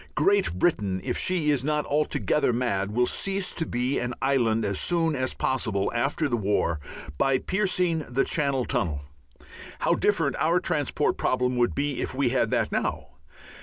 Great Britain, if she is not altogether mad, will cease to be an island as soon as possible after the war, by piercing the Channel Tunnel how different our transport problem would be if we had that now!